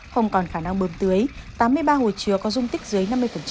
không còn khả năng bơm tưới tám mươi ba hồ chứa có dung tích dưới năm mươi